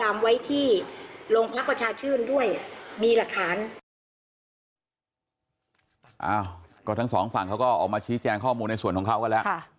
อ้าวก็ทั้งสองฝั่งเขาก็ออกมาชี้แจงข้อมูลในส่วนของเขาก็แล้ว